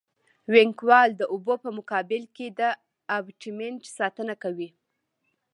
وینګ وال د اوبو په مقابل کې د ابټمنټ ساتنه کوي